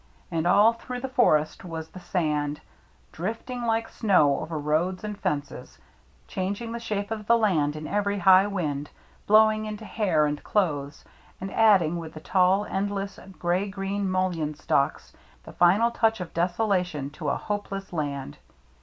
And all through the forest was the sand, drifting like snow over roads and fences, changing the shape of the land in every high wind, blow ing into hair and clothes, and adding, with the tall, endless, gray green mullein stalks, the final touch of desolation to a hopeless land.